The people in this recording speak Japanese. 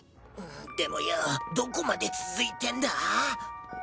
でもよぉどこまで続いてんだ？